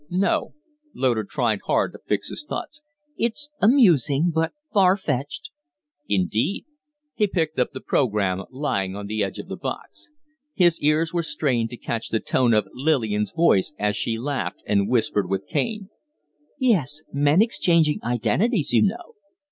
"No." Loder tried hard to fix his thoughts. "It's amusing but far fetched." "Indeed?" He picked up the programme lying on the edge of the box. His ears were strained to catch the tone of Lillian's voice as she laughed and whispered with Kaine. "Yes; men exchanging identities, you know."